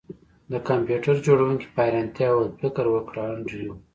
د کمپیوټر جوړونکي په حیرانتیا وویل فکر وکړه انډریو